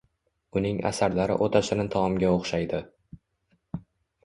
Uning asarlari oʻta shirin taomga oʻxshaydi.